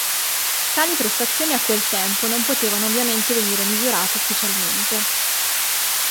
Tali prestazioni a quel tempo non potevano ovviamente venire misurate ufficialmente.